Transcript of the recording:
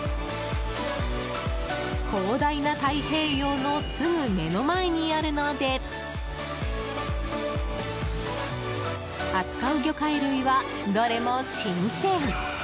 広大な太平洋のすぐ目の前にあるので扱う魚介類はどれも新鮮！